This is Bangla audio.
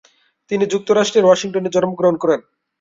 তিনি যুক্তরাষ্ট্রের ওয়াশিংটনে জন্মগ্রহণ করেন।